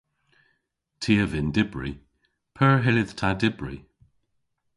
Ty a vynn dybri. P'eur hyllydh ta dybri?